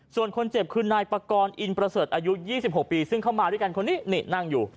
ส่วนคนเจ็บคือนายปากรอินประเสริฐอายุ๒๖ปีซึ่งเข้ามาด้วยกันคนนี้นี่นั่งอยู่